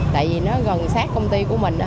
tại vì nó gần sát công ty của mình đó